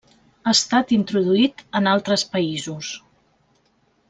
Ha estat introduït en altres països.